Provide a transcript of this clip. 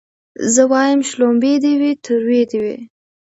زه وايم شلومبې دي وي تروې دي وي